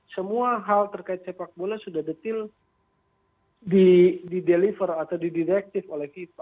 semua hal terkait sepakbola sudah detail dideliver atau didirektif oleh fifa